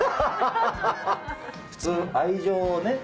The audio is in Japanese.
普通愛情をね